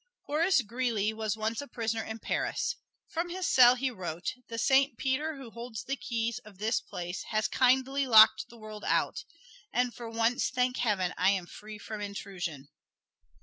Horace Greeley was once a prisoner in Paris. From his cell he wrote, "The Saint Peter who holds the keys of this place has kindly locked the world out; and for once, thank Heaven, I am free from intrusion."